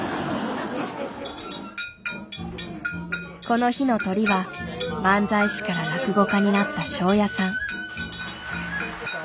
この日のトリは漫才師から落語家になった昇也さん。